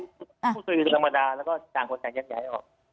พูดสวยอยู่ธรรมดาแล้วก็ส่างคนกันใหญ่ครับ